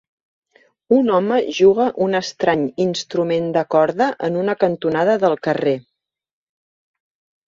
Un home juga un estrany instrument de corda en una cantonada del carrer.